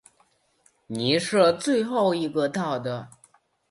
你是最后一个到的。